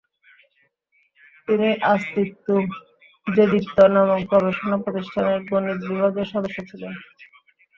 তিনি আঁস্তিত্যু দেজিপ্ত নামক গবেষণা প্রতিষ্ঠানের গণিত বিভাগের সদস্য ছিলেন।